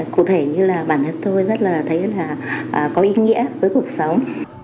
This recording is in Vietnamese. cụ thể như là bản thân tôi rất là thấy có ý nghĩa với cuộc sống